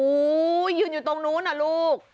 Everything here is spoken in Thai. อู้ยยืนอยู่ตรงนู้นน่ะลูก